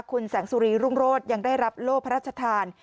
คุณแสงสุรีรุ่งโรธยังได้รับโลกพระราชทาน